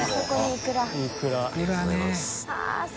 イクラね。